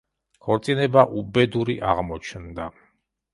ქორწინება უბედური აღმოჩნდა.